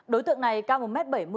đối tượng này cao một m bảy mươi